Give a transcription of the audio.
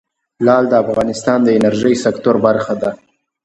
لعل د افغانستان د انرژۍ سکتور برخه ده.